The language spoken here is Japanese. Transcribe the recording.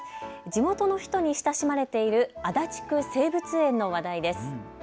地元の人に親しまれている足立区生物園の話題です。